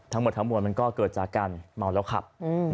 ทั้งหมดทั้งมวลมันก็เกิดจากการเมาแล้วขับ